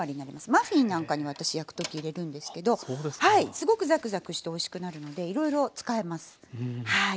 マフィンなんかには私焼く時入れるんですけどすごくザクザクしておいしくなるのでいろいろ使えます。